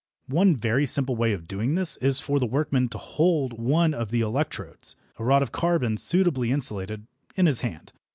One very simple way of doing this is for the workman to hold one of the "electrodes" a rod of carbon suitably insulated in his hand.